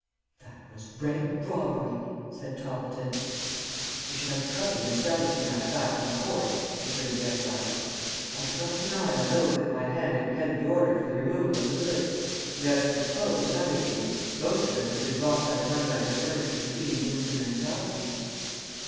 "That was rank robbery," said Toppleton. "We should have trouble in establishing that fact in court," returned the exile. "I could not deny on oath that my hand had penned the order for the removal of the goods, and as for the clothes and other things, most of them had been bought by the money I had earned through the fiend's instrumentality."